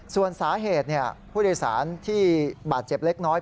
ส่วนสาเหตุผู้โดยสารที่บาดเจ็บเล็กน้อย